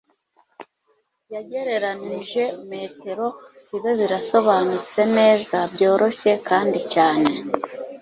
yagereranije metero kibebirasobanutse neza, byoroshye, kandi cyane